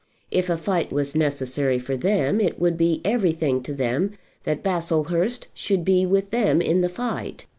If a fight was necessary for them, it would be everything to them that Baslehurst should be with them in the fight.